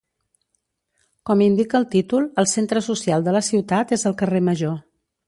Com indica el títol, el centre social de la ciutat és el Carrer Major.